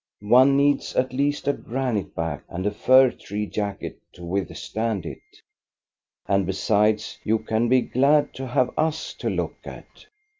One needs at least a granite back and a fir tree jacket to withstand it. And, besides, you can be glad to have us to look at."